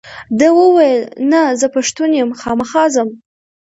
ده وویل نه زه پښتون یم خامخا ځم.